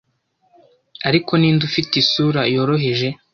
Ariko Ninde, ufite isura yoroheje